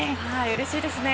うれしいですね。